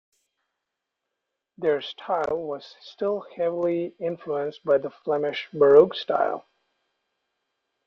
Their style was still heavily influenced by the Flemish Baroque style.